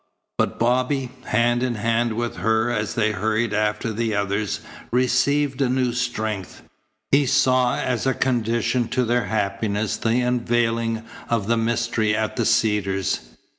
But Bobby, hand in hand with her as they hurried after the others, received a new strength. He saw as a condition to their happiness the unveiling of the mystery at the Cedars.